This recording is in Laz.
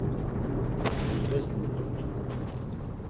Mundes nulurt?